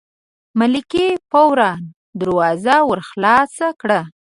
ملکې فوراً دروازه ور خلاصه کړه.